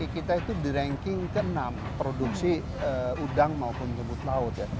kita itu di ranking ke enam produksi udang maupun jebut laut ya